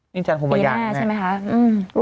นี่จันทร์ภูมิหญังใช่ไหมคะ